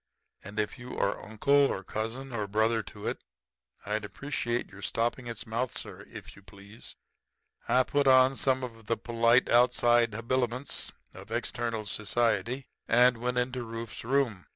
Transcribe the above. And if you are uncle or second cousin or brother to it, I'd appreciate your stopping its mouth, sir, yourself, if you please.' "I put on some of the polite outside habiliments of external society and went into Rufe's room.